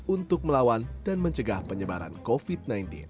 untuk melawan dan mencegah penyebaran covid sembilan belas